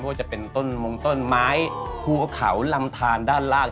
ว่าจะเป็นต้นมงต้นไม้ภูเขาลำทานด้านล่าง